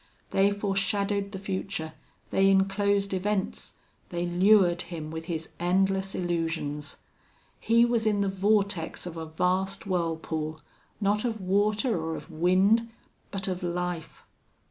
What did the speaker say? They foreshadowed the future, they inclosed events, they lured him with his endless illusions. He was in the vortex of a vast whirlpool, not of water or of wind, but of life.